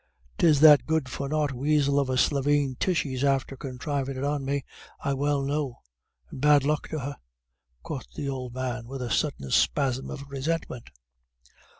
'Tis that good for nought weasel of a slieveen Tishy's after conthrivin' it on me, I well know, and bad luck to her," quoth the old man, with a sudden spasm of resentment.